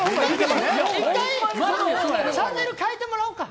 チャンネル変えてもらおうか。